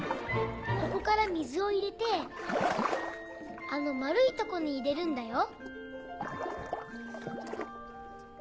ここから水を入れてあの丸いとこに入れるんだよ。